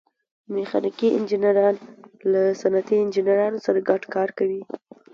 میخانیکي انجینران له صنعتي انجینرانو سره ګډ کار کوي.